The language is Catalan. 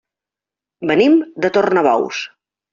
Venim de Tornabous.